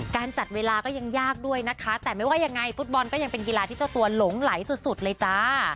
การจัดเวลาก็ยังยากด้วยนะคะแต่ไม่ว่ายังไงฟุตบอลก็ยังเป็นกีฬาที่เจ้าตัวหลงไหลสุดเลยจ้า